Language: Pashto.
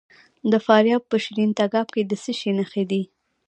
د فاریاب په شیرین تګاب کې د څه شي نښې دي؟